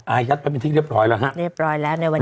อายัดไปเป็นที่เรียบร้อยแล้วฮะเรียบร้อยแล้วในวันนี้